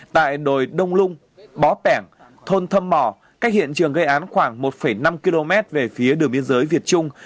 tại đồi đông lung bóng thôn thâm mò cách hiện trường gây án khoảng một năm km về phía đường biên giới việt trung